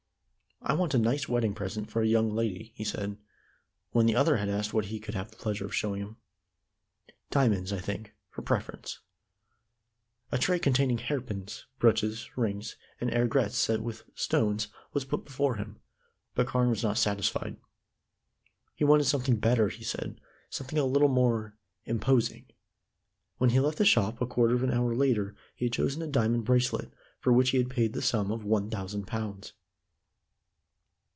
"I want a nice wedding present for a young lady," he said, when the other had asked what he could have the pleasure of showing him. "Diamonds, I think, for preference." A tray containing hairpins, brooches, rings, and aigrettes set with stones was put before him, but Carne was not satisfied. He wanted something better, he said something a little more imposing. When he left the shop a quarter of an hour later he had chosen a diamond bracelet, for which he had paid the sum of one thousand pounds.